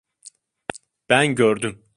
Ben gördüm.